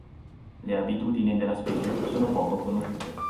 Le abitudini della specie sono poco conosciute.